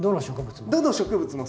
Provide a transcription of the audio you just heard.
どの植物も？